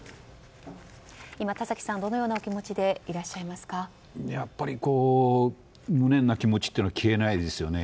今、田崎さんどのようなお気持ちで無念な気持ちというのは消えないですよね。